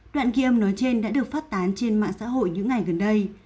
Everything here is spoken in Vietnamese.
đoạn ghi âm nói trên đã được phát tán trên mạng xã hội những ngày gần đây